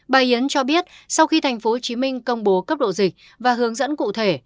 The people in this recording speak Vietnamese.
bà yến cho biết sau khi tp hcm công bố cấp độ dịch và hướng dẫn cụ thể